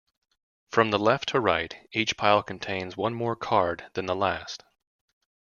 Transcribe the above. From left to right, each pile contains one more card than the last.